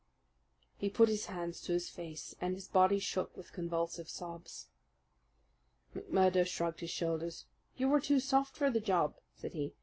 He put his hands to his face, and his body shook with convulsive sobs. McMurdo shrugged his shoulders. "You were too soft for the job," said he.